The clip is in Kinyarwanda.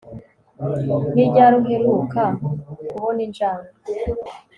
Ni ryari uheruka kubona injangwe